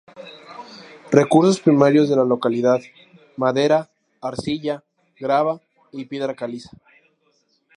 Recursos primarios de la localidad; madera, arcilla, grava y piedra caliza.